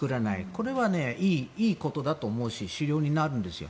これはいいことだと思うし資料になるんですよ。